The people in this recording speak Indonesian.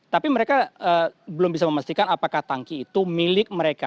tapi mereka belum bisa memastikan apakah tangki itu milik mereka